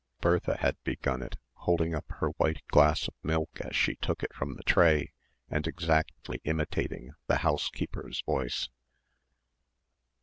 Bertha had begun it, holding up her white glass of milk as she took it from the tray and exactly imitating the housekeeper's voice.